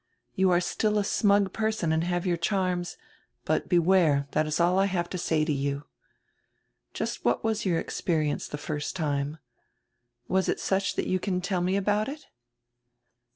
You are still a smug person and have your charms. But beware, that is all I have to say to you. Just what was your experi ence the first time? Was it such that you can tell me about it?"